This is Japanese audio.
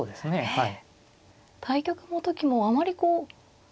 はい。